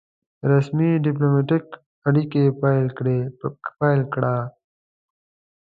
رسمي ډيپلوماټیک اړیکي پیل کړل.